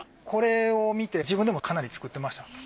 これを見て自分でもかなり作ってました。